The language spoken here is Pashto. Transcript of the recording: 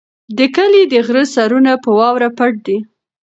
د کلي د غره سرونه په واورو پټ دي.